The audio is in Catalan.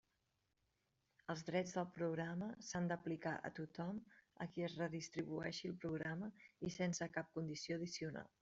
Els drets del programa s'han d'aplicar a tothom a qui es redistribueixi el programa i sense cap condició addicional.